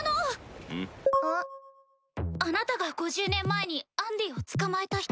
あなたが５０年前にアンディを捕まえた人？